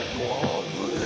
危ねえ！